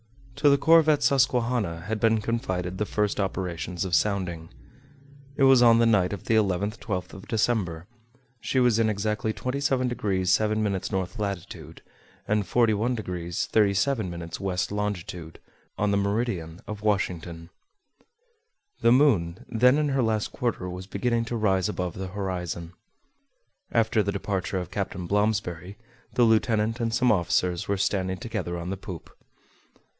To the corvette Susquehanna had been confided the first operations of sounding. It was on the night of the 11th 12th of December, she was in exactly 27° 7′ north latitude, and 41° 37′ west longitude, on the meridian of Washington. The moon, then in her last quarter, was beginning to rise above the horizon. After the departure of Captain Blomsberry, the lieutenant and some officers were standing together on the poop.